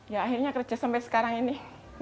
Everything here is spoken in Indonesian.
ya akhirnya kerja sampai sekarang ini